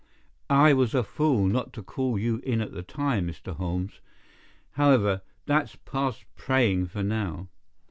"I was a fool not to call you in at the time Mr. Holmes. However, that's past praying for now.